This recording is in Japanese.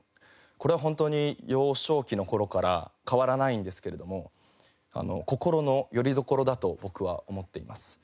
これは本当に幼少期の頃から変わらないんですけれども心のよりどころだと僕は思っています。